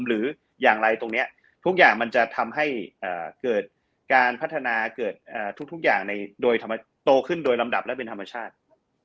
หรืออย่างไรตรงนี้ทุกอย่างมันจะทำให้เกิดการพัฒนาเกิดทุกอย่างโดยโตขึ้นโดยลำดับและเป็นธรรมชาติ